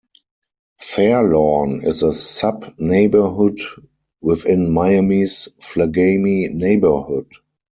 Fairlawn is a sub-neighborhood, within Miami's Flagami neighborhood.